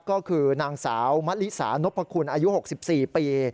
ก็คือนางสาวมะลิสานพคุณอายุ๖๔ปี